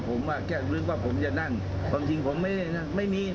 ก็ไม่สะท้อนผมผมว่าตั้งใจจะเล่นงานผมว่าจะนั่ง